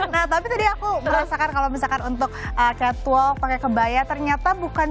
nah tapi tadi aku merasakan kalau misalkan untuk catwalk pakai kebaya ternyata bukan